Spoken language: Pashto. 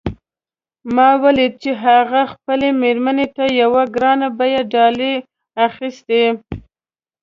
ما ولیدل چې هغه خپلې میرمن ته یوه ګران بیه ډالۍ اخیستې